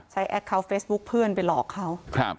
แอคเคาน์เฟซบุ๊คเพื่อนไปหลอกเขา